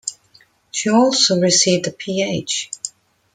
She also received a Ph.